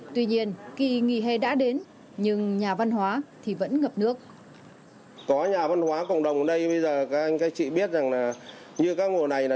như các ngồi này là chúng ta có thể tìm ra những nhà văn hóa cộng đồng để tìm ra những nhà văn hóa cộng đồng để tìm ra những nhà văn hóa cộng đồng để tìm ra những nhà văn hóa cộng đồng